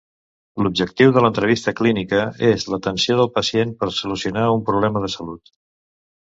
L'objectiu de l'entrevista clínica és l'atenció del pacient per solucionar un problema de salut.